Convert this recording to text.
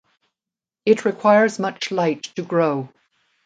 It requires much light to grow.